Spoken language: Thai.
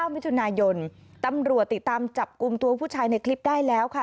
มิถุนายนตำรวจติดตามจับกลุ่มตัวผู้ชายในคลิปได้แล้วค่ะ